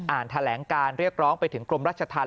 แถลงการเรียกร้องไปถึงกรมราชธรรม